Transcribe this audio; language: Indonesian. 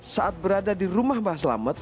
saat berada di rumah mbah selamet